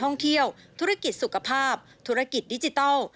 ท่องเที่ยวธุรกิจสุขภาพธุรกิจดิจิทัล